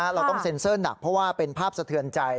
เราต้องเซ็นเซอร์หนักเพราะว่าเป็นภาพสะเทือนใจ